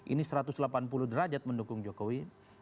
ini satu ratus delapan puluh derajat mendukung jokowi